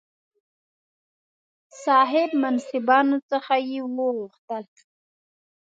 صاحب منصبانو څخه یې وغوښتل.